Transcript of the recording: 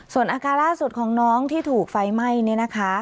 ส่วนอาการล่าสุดของน้องที่ถูกไฟไหม้เนี่ยนะคะ